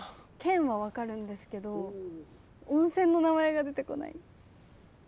県は分かるんですけど温泉の名前が出てこない。